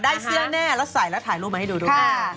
ได้เสี้ยแน่แล้วใส่แล้วถ่ายรูปมาให้ดูดูกัน